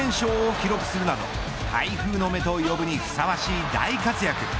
記録するなど台風の目と呼ぶにふさわしい大活躍。